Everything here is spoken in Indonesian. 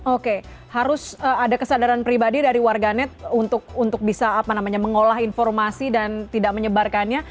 oke harus ada kesadaran pribadi dari warganet untuk bisa mengolah informasi dan tidak menyebarkannya